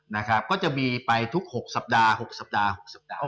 นะครับก็จะมีไปทุก๖สัปดาห์๖สัปดาห์๖สัปดาห์